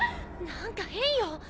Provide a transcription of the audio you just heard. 何か変よ！